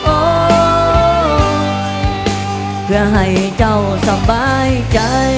เพื่อให้เจ้าสบายใจ